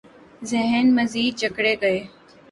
ذہن مزید جکڑے گئے۔